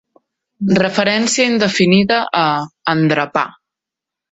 Referència indefinida a 'endrapar'.